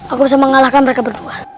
aku bisa mengalahkan mereka berdua